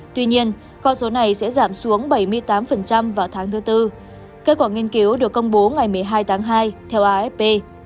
tuy nhiên con số này sẽ giảm xuống bảy mươi tám vào tháng thứ tư kết quả nghiên cứu được công bố ngày một mươi hai tháng hai theo afp